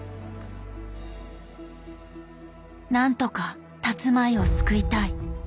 なんとかたつまいを救いたい。